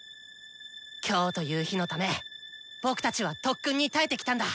今日という日のため僕たちは特訓に耐えてきたんだ！